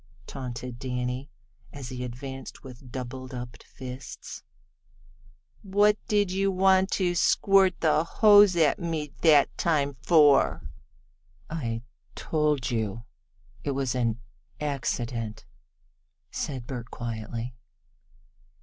taunted Danny, as he advanced with doubledup fists. "What did you want to squirt the hose on me that time for?" "I told you it was an accident," said Bert quietly.